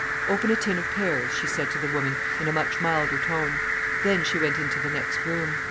"Open a tin of pears," she said to the woman, in a much milder tone. Then she went into the next room.